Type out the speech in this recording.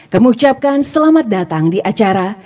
kemuhcapkan selamat datang di acara